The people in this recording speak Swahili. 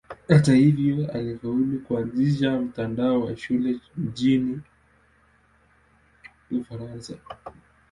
Hata hivyo alifaulu kuanzisha mtandao wa shule nchini Ufaransa.